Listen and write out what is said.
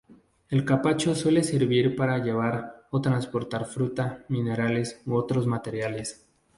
El capacho suele servir para llevar o transportar fruta, minerales u otros materiales.